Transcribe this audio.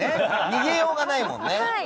逃げようがないもんね。